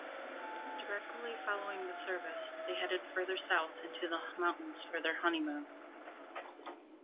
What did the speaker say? Directly following the service they headed further south "into the mountains" for their honeymoon.